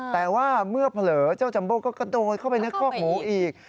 แต่ว่าเมื่อเผลอเจ้าจัมโบ้ก็กระโดดเข้าไปในคอกหมูอีก